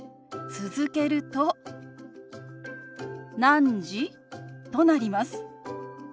続けると「何時？」となります。